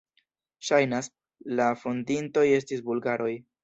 Ŝajnas, la fondintoj estis bulgaroj.